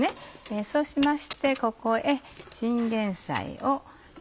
そうしましてここへチンゲンサイを。